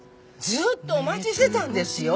ずっとお待ちしてたんですよ。